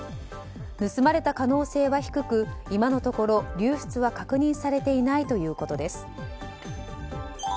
盗まれた可能性は低く今のところ流出は確認されていないということです。